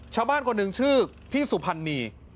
ชาวบ้านคนหนึ่งชื่อพี่สุพรรณี